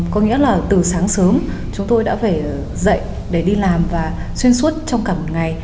có nghĩa là từ sáng sớm chúng tôi đã phải dậy để đi làm và xuyên suốt trong cả một ngày